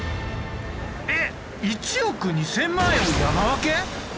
えっ１億２，０００万円を山分け！？